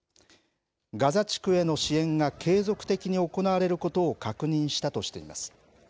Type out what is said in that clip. ガザ地区への支援が継続的に行われることを確認したとしています。